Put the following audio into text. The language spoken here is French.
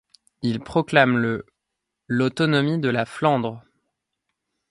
Il proclame le l'autonomie de la Flandre.